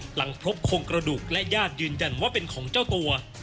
หลังพบโครงกระดูกและญาติยืนยันว่าเป็นของเจ้าตัว